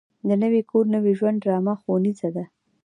د نوي کور نوي ژوند ډرامه ښوونیزه ده.